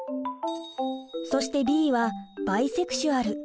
そして「Ｂ」はバイセクシュアル。